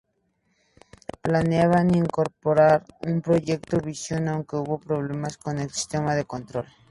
Planeaban incorporar un "Proyecto Visión", aunque hubo problemas con el sistema de control.